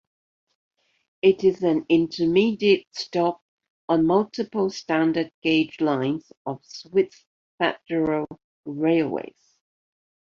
It is an intermediate stop on multiple standard gauge lines of Swiss Federal Railways.